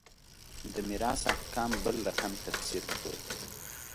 د میراث احکام بل رقم تفسیر کړو.